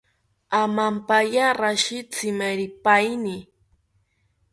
Amampaya rashi tsimeripaini